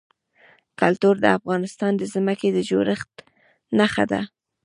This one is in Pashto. کلتور د افغانستان د ځمکې د جوړښت نښه ده.